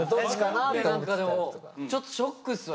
何かでもちょっとショックっすわ。